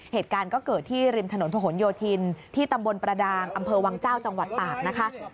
เหตุการณ์ก็เกิดที่ริมถนนผนโยธินที่ตำบลประดางอำเภอวังเจ้าจังหวัดตากนะคะ